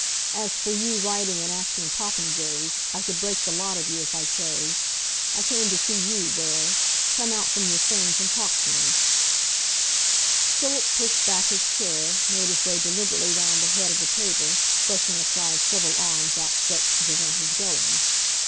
"As for you writing and acting popinjays, I could break the lot of you if I chose. I came to see you, Ware. Come out from your friends and talk to me." Philip pushed back his chair, made his way deliberately round the head of the table, brushing aside several arms outstretched to prevent his going.